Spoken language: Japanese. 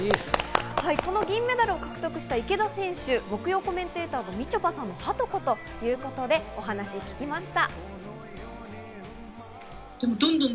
この銀メダルを獲得した池田選手、木曜コメンテーターのみちょぱさんのはとこということでお話を聞きました。